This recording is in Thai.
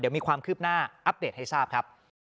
เดี๋ยวมีความคืบหน้าอัปเดตให้ทราบครับ